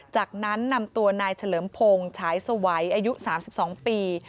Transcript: จากนั้นนำตัวนายเฉลิมพงศ์ฉายสวัยอายุ๓๒ปี